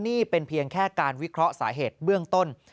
นี่เป็นเพียงแค่การวิเคราะห์สาเหตุเบื้องต้น